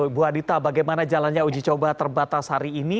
ibu adita bagaimana jalannya uji coba terbatas hari ini